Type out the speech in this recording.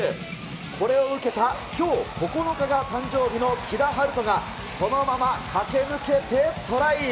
これを受けたきょう９日が誕生日の木田晴斗がそのまま駆け抜けてトライ。